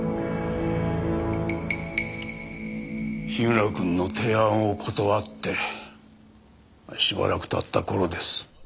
樋村君の提案を断ってしばらく経った頃です。